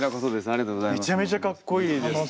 めちゃめちゃかっこいいです。